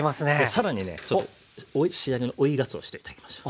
更にねちょっと仕上げの追いがつおしてってあげましょう。